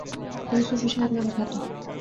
তিনি সুফি সাহেব নামে খ্যাত হন।